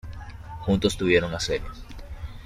Juntos tuvieron a Celia.